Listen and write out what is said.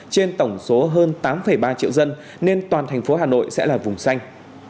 trên tổng số hơn tám ba triệu dân nên toàn thành phố hà nội sẽ là vùng xanh